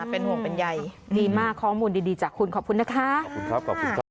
เป็นห่วงเป็นใยดีมากข้อมูลดีจากคุณขอบคุณนะคะ